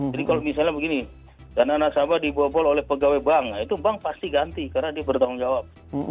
jadi kalau misalnya begini karena nasabah dibobol oleh pegawai bank itu bank pasti ganti karena dia bertanggung jawab